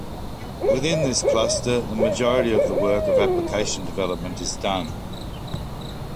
Within this cluster the majority of the work of Application Development is done.